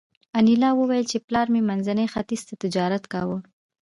انیلا وویل چې پلار مې منځني ختیځ ته تجارت کاوه